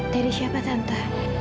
dari siapa tante